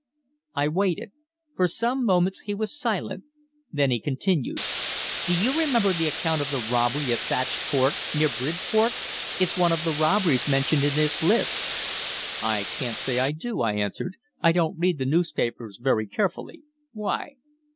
I waited. For some moments he was silent. Then he continued: "Do you remember the account of the robbery at Thatched Court, near Bridport? It's one of the robberies mentioned in this list." "I can't say I do," I answered. "I don't read the newspapers very carefully. Why?"